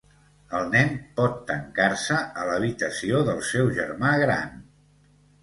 El nen pot tancar-se a l'habitació del seu germà gran.